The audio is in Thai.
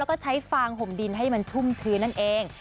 แล้วก็ใช้ฟางห่มดินให้มันชุ่มชื้นนั่นเอง